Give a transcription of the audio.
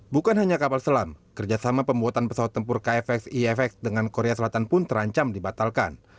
bukan hanya kapal selam kerjasama pembuatan pesawat tempur kfx ifx dengan korea selatan pun terancam dibatalkan